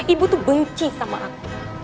ibu tuh benci sama aku